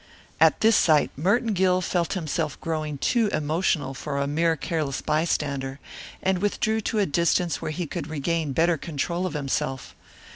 At this sight Merton Gill felt himself growing too emotional for a mere careless bystander, and withdrew to a distance where he could regain better control of himself.